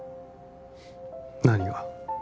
何が？